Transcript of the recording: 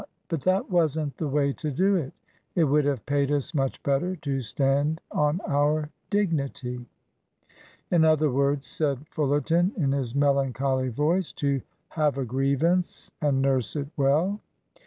But that wasn't the way to do it. It would have paid us much better to stand on our dignity." "In other words," said Fullerton in his melancholy voice, "to have a grievance, and nurse it well."